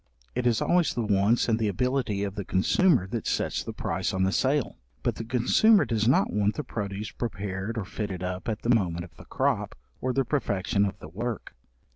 It is always the wants and the ability of the consumer that sets the price on the sale; but the consumer does not want the produce prepared or fitted up at the moment of the crop, or the perfection of the work.